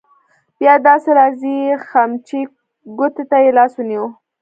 بیا داسې راځې خمچۍ ګوتې ته يې لاس ونیو.